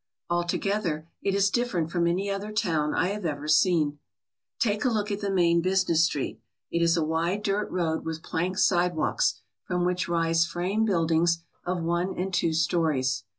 Altogether, it is different from any other town I have ever seen. Take a look at the main business street. It is a wide dirt road with plank sidewalks from which rise frame buildings of one and two stories.